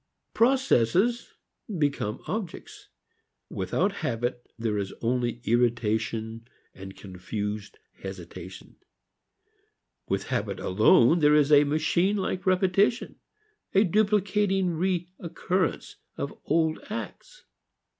Processes become objects. Without habit there is only irritation and confused hesitation. With habit alone there is a machine like repetition, a duplicating recurrence of old acts.